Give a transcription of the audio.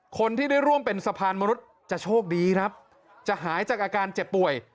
คนที่ได้ร่วมเป็นสะพานมนุษย์จะโชคดีครับจะหายจากอาการเจ็บป่วย